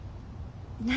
何？